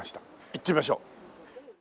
行ってみましょう。